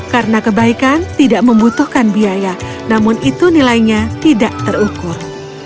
karena kebaikan tidak membutuhkan biaya namun itu nilainya tidak terukur